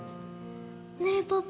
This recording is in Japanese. ねえパパ